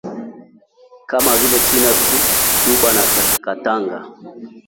Kama vile China, Cuba na Katanga